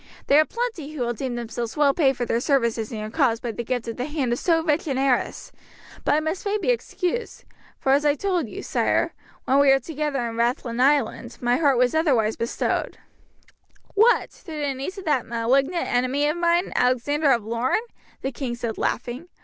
There are plenty who will deem themselves well paid for their services in your cause by the gift of the hand of so rich an heiress. But I must fain be excused; for as I told you, sire, when we were together in Rathlin Island, my heart was otherwise bestowed." "What! to the niece of that malignant enemy of mine, Alexander of Lorne?" the king said laughing.